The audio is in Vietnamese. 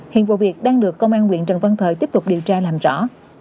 hiện vụ việc đang được công an huyện trần văn thời tiếp tục điều tra làm rõ